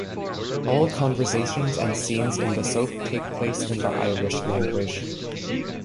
All conversations and scenes in the soap take place in the Irish language.